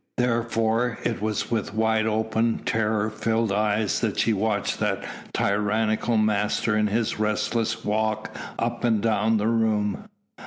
Therefore it was with wide open, terror filled eyes that she watched that tyrannical master in his restless walk up and down the room.